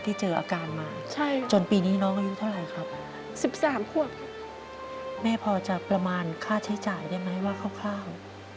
เจออาการมาจนปีนี้น้องอายุเท่าไหร่ครับ๑๓ขวบแม่พอจะประมาณค่าใช้จ่ายได้ไหมว่าคร่าว